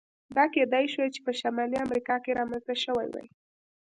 دا کېدای شوای چې په شمالي امریکا کې رامنځته شوی وای.